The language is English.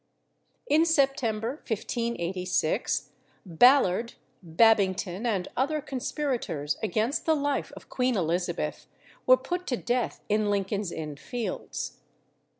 In September 1586 Ballard, Babington, and other conspirators against the life of Queen Elizabeth were put to death in Lincoln's Inn Fields.